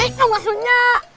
ya itu maksudnya